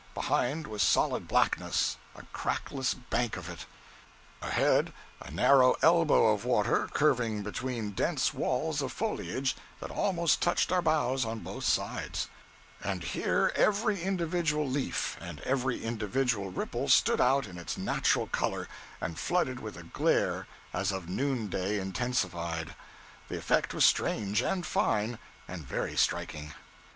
Behind was solid blackness a crackless bank of it; ahead, a narrow elbow of water, curving between dense walls of foliage that almost touched our bows on both sides; and here every individual leaf, and every individual ripple stood out in its natural color, and flooded with a glare as of noonday intensified. The effect was strange, and fine, and very striking.